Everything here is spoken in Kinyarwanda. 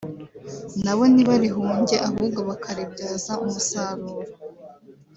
nabo ntibarihunge ahubwo bakaribyaza umusaruro